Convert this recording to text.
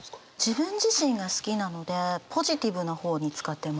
自分自身が好きなのでポジティブな方に使ってます。